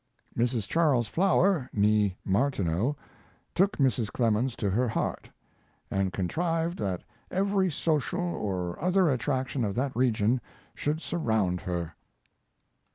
Mrs. Charles Flower (nee Martineau) took Mrs. Clemens to her heart, and contrived that every social or other attraction of that region should surround her."